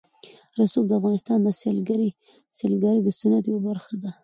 رسوب د افغانستان د سیلګرۍ د صنعت یوه برخه ده.